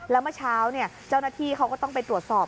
แล้วเมื่อเช้าเจ้าหน้าที่เขาก็ต้องไปตรวจสอบ